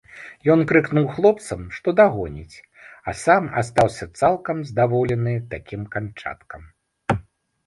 Ён крыкнуў хлопцам, што дагоніць, а сам астаўся, цалкам здаволены такім канчаткам.